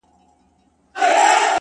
• په هر کور کي د وطن به یې منلی ,